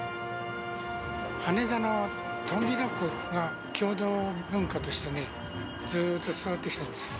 羽田のとんびだこが、郷土文化としてね、ずっと伝わってきているんです。